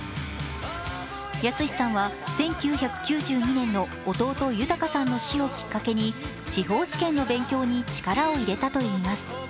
康さんは１９９２年の弟・豊さんの死をきっかけに司法試験の勉強に力を入れたといいます。